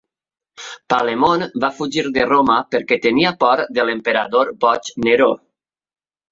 Palemon va fugir de Roma perquè tenia por de l'emperador boig Nero.